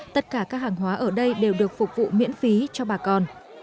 tất cả các hàng hóa ở đây đều được phục vụ miễn phí cho bà con